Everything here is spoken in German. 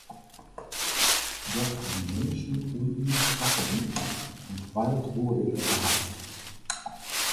Doch die Menschen um ihn starben und bald wurde er gehasst.